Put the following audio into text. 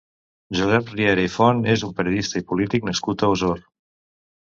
Josep Riera i Font és un periodista i polític nascut a Osor.